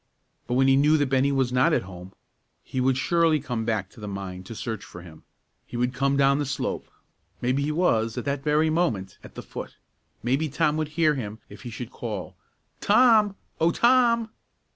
But when he knew that Bennie was not at home, he would surely come back to the mine to search for him; he would come down the slope; maybe he was, at that very moment, at the foot; maybe Tom would hear him if he should call, "Tom! O Tom!"